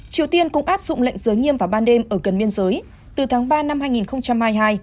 triều tiên cũng áp dụng lệnh giới nghiêm vào ban đêm ở gần biên giới từ tháng ba năm hai nghìn hai mươi hai